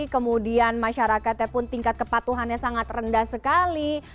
kemudian masyarakatnya pun tingkat kepatuhannya sangat rendah sekali